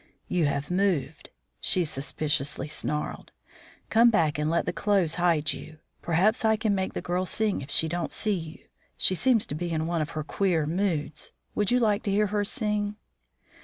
"You have moved," she suspiciously snarled. "Come back and let the clothes hide you. Perhaps I can make the girl sing if she don't see you. She seems to be in one of her queer moods. Would you like to hear her sing?"